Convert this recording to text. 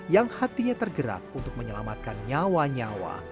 yang hatinya tergerak untuk menyelamatkan nyawa nyawa